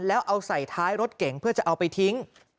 แล้วเอาใส่ท้ายรถเก่งเพื่อจะเอาไปทิ้ง